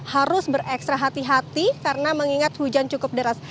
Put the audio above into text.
harus bereksra hati hati karena mengingat hujan cukup deras